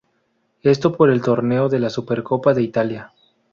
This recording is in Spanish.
Esto por el torneo de la Supercopa de Italia.